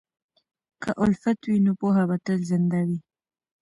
که الفت وي، نو پوهه به تل زنده وي.